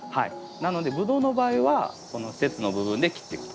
なのでブドウの場合はこの節の部分で切っていくと。